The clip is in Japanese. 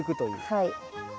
はい。